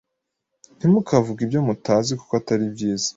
Ntimukavuge ibyo mutazi kuko atari byiza